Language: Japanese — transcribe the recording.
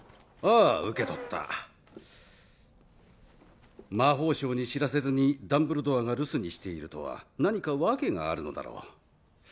ああ受け取った魔法省に知らせずにダンブルドアが留守にしているとは何か訳があるのだろう